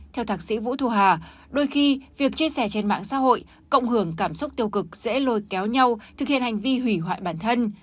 theo thạc sĩ vũ thu hà đôi khi việc chia sẻ trên mạng xã hội cộng hưởng cảm xúc tiêu cực sẽ lôi kéo nhau thực hiện hành vi hủy hoại bản thân